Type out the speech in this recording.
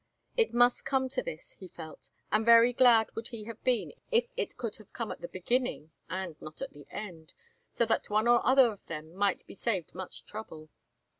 It must come to this, he felt, and very glad would he have been if it could come at the beginning and not at the end, so that one or the other of them might be saved much trouble.